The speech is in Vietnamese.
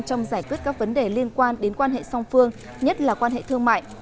trong giải quyết các vấn đề liên quan đến quan hệ song phương nhất là quan hệ thương mại